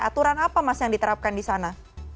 aturan apa mas yang diterapkan di sana